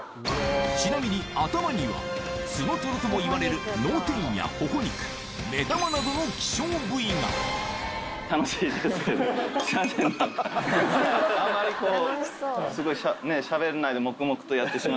ちなみに頭にはツノトロともいわれる脳天や頬肉目玉などの希少部位があんまりこう。